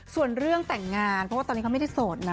ส่วนเรื่องแต่งงานเพราะว่าตอนนี้เขาไม่ได้โสดนะ